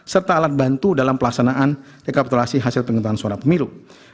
serta alat bantu dalam pelaksanaan rekapitulasi hasil penghitungan suara pemilu